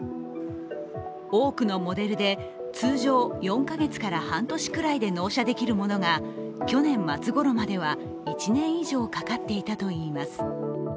多くのモデルで通常４か月から半年くらいで納車できるものが去年末ごろまでは１年以上かかっていたといいます。